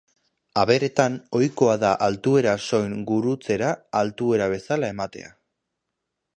Aberetan ohikoa da altuera soin gurutzera altuera bezala ematea.